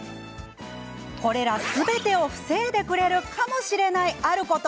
これらすべてを防いでくれるかもしれない、あること。